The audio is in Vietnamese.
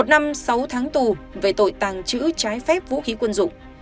một năm sáu tháng tù về tội tàng trữ trái phép vũ khí quân dụng